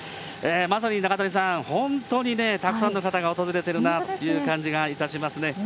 まさに中谷さん、本当にたくさんの方が訪れてるなという感じがいたしますね。